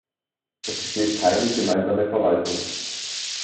Es besteht keine gemeinsame Verwaltung.